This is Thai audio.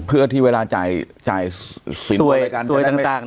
เพื่อที่เวลาจ่ายสินค้าไปกัน